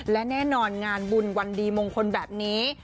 และแน่นอนงานบุญวันดีมงคลแบบนี้